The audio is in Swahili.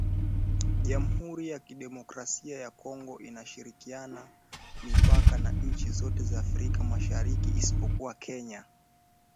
Jamuhuri ya Kidemokrasia ya Kongo inashirikiana mipaka na nchi zote za Afrika Mashariki isipokuwa Kenya